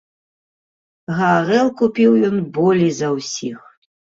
Гарэлку піў ён болей за ўсіх.